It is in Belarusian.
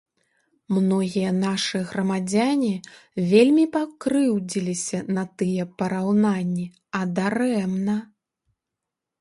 Многія нашы грамадзяне вельмі пакрыўдзіліся на тыя параўнанні, а дарэмна.